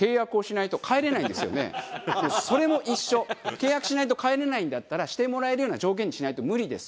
契約しないと帰れないんだったらしてもらえるような条件にしないと無理です。